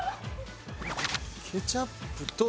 ケチャップと。